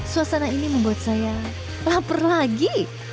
suasana ini membuat saya lapar lagi